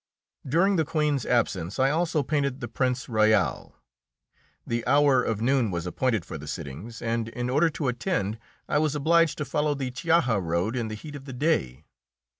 During the Queen's absence I also painted the Prince Royal. The hour of noon was appointed for the sittings, and in order to attend I was obliged to follow the Chiaja road in the heat of the day.